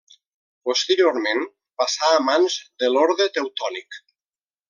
Posteriorment, passà a mans de l’Orde Teutònic.